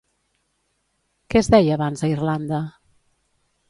Què es deia abans a Irlanda?